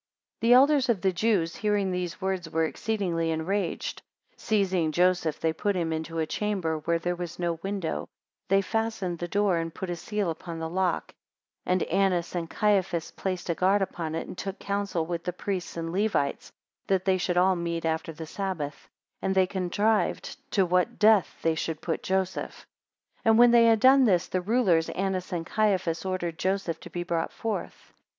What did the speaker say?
12 The elders of the Jews hearing these words, were exceedingly enraged; and seizing Joseph, they put him into a chamber where there was no window; they fastened the door, and put a seal upon the lock; 13 And Annas and Caiaphas placed a guard upon it, and took counsel with the priests and Levites, that they should all meet after the Sabbath, and they contrived to what death they should put Joseph. 14 When they had done this, the rulers, Annas and Caiaphas, ordered Joseph to be brought forth.